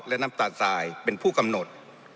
และน้ำตาลทรายเป็นผู้กำหนด